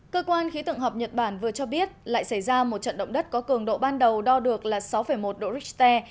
cơ quan khí tượng học nhật bản vừa cho biết lại xảy ra một trận động đất có cường độ ban đầu đo được là sáu một độ richter